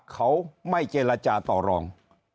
เขาไม่เจรจาต่อรอง